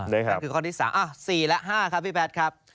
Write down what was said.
๔แล้ว๕ครับพี่แพทส์